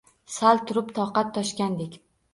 Sabr tulib toqat toshgandek